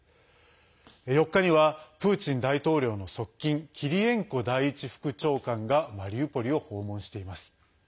４日にはプーチン大統領の側近キリエンコ第１副長官がマリウポリを訪問しています。